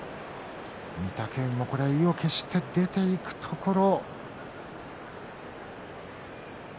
御嶽海が意を決して出ていくところ。